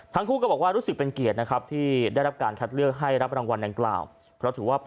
ทั้งคู่ก็บอกว่ารู้สึกเป็นเกียรตินะครับที่ได้รับการตัดเลือกให้รับรางวัลเนิลกล่าว